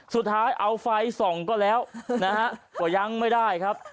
สุดท้ายเอาไฟส่องก็แล้วนะฮะก็ยังไม่ได้ครับ